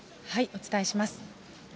お伝えします。